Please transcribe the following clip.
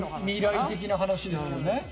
未来的な話ですよね。